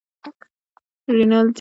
رینالډي وویل پنځوس لیرې خو په پور راکړه.